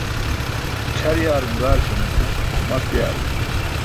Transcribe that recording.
Ćʰar yaarum gaarsam nusen mart yaarar.